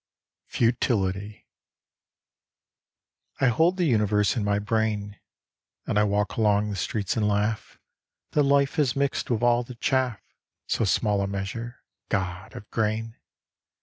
Futility I HOLD the universe in my brain ; And I walk along the streets and laugh That Life has mixed with all the chaff So small a measure, God ! of grain.